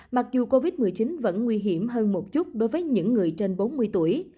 mặc dù covid một mươi chín vẫn nguy hiểm hơn một chút đối với những người trên bốn mươi tuổi